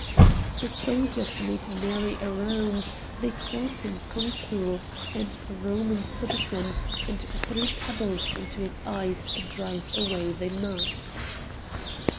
The soldiers made merry around; they called him consul, and Roman citizen, and threw pebbles into his eyes to drive away the gnats.